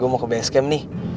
gue mau ke base camp nih